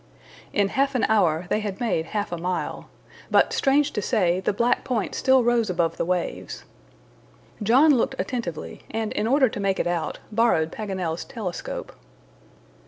In half an hour they had made half a mile. But, strange to say, the black point still rose above the waves. John looked attentively, and in order to make it out, borrowed Paganel's telescope.